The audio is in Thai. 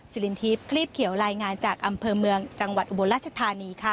สิรินทิพย์คลีบเขียวรายงานจากอำเภอเมืองจังหวัดอุบลราชธานีค่ะ